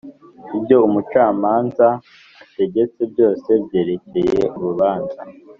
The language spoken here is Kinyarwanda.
Ibyo umucamanza ategetse byose byerekeye urubanza